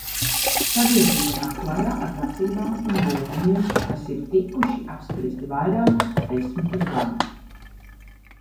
Sabiedrība nāk klajā ar prasībām un lūgumiem, kas ir tikuši apspiesti vairākus desmitus gadu.